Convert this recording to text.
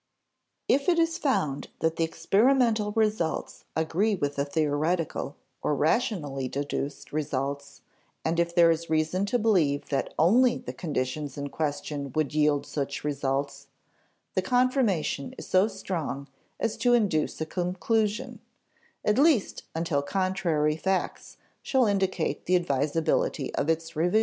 If it is found that the experimental results agree with the theoretical, or rationally deduced, results, and if there is reason to believe that only the conditions in question would yield such results, the confirmation is so strong as to induce a conclusion at least until contrary facts shall indicate the advisability of its revision.